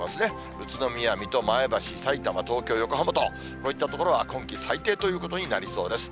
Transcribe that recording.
宇都宮、水戸、前橋、さいたま、東京、横浜と、こういった所は今季最低ということになりそうです。